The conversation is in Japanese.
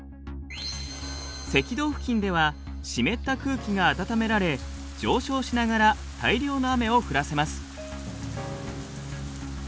赤道付近では湿った空気が温められ上昇しながら大量の雨を降らせます。